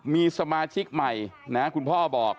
มีสมาชิกใหม่นะคุณพ่อบอก